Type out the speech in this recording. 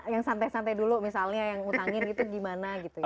yang santai santai dulu misalnya yang ngutangin itu gimana gitu ya